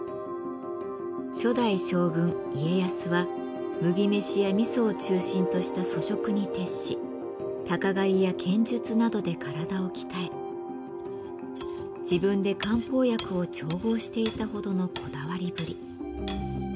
初代将軍家康は麦飯やみそを中心とした粗食に徹し鷹狩りや剣術などで体を鍛え自分で漢方薬を調合していたほどのこだわりぶり。